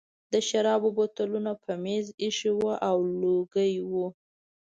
د شرابو بوتلونه په مېز ایښي وو او لوګي وو